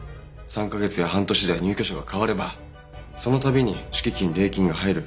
３か月や半年で入居者が変わればその度に敷金礼金が入る。